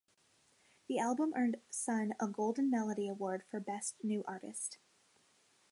The album earned Sun a Golden Melody Award for Best New Artist.